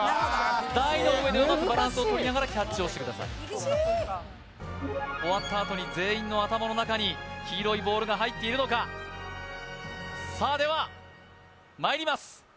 台の上でうまくバランスをとりながらキャッチをしてください終わったあとに全員の頭の中に黄色いボールが入っているのかさあではまいります